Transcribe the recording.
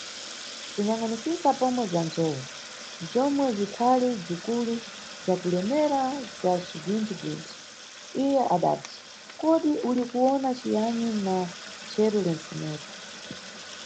Kuyangʼanisisa pomwe bza nzowu, bzomwe bzikhali bzikulu bzakulemera bza cigwinthi-gwinthi, iye adati, kodi uli kuwona ciyani na cheru lentseneri?